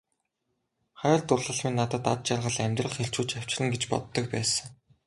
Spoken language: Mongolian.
Хайр дурлал минь надад аз жаргал, амьдрах эрч хүч авчирна гэж боддог байсан.